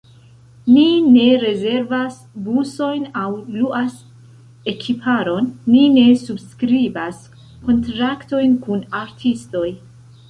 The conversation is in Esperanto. Ni ne rezervas busojn aŭ luas ekiparon, ni ne subskribas kontraktojn kun artistoj.